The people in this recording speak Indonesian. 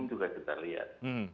juga kita lihat